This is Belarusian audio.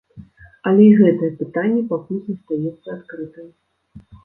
Але і гэтае пытанне пакуль застаецца адкрытым.